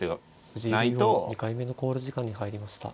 藤井竜王２回目の考慮時間に入りました。